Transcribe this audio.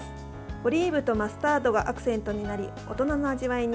オリーブとマスタードがアクセントになり大人の味わいに。